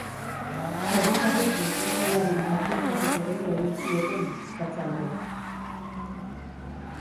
Herritarrei konponbidearen parte izateko deia egin zieten sustatzaileek.